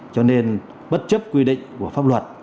cho nên bất chấp quy định của pháp luật